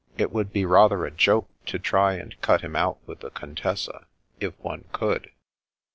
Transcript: It would be rather a joke to try and cut him out with the Contessa — if one could."